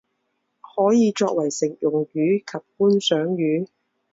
可做为食用鱼及观赏鱼。